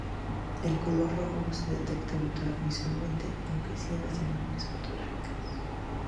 El color rojo no se detecta visualmente, aunque sí en las imágenes fotográficas.